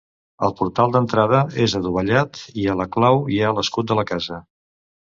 El portal d'entrada és adovellat i a la clau hi ha l'escut de la casa.